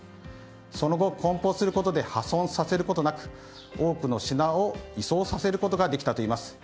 その後、梱包することで破損させることなく多くの品を移送させることができたといいます。